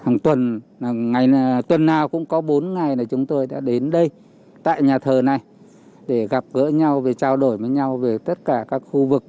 hàng tuần nào cũng có bốn ngày là chúng tôi đã đến đây tại nhà thờ này để gặp gỡ nhau về trao đổi với nhau về tất cả các khu vực